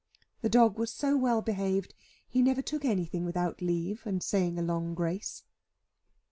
The dog was so well behaved, he never took anything without leave and saying t a long grace.